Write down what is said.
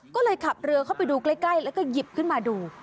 ก็เลยขับเรือเข้าไปดูใกล้แล้วก็หยิบขึ้นมาดู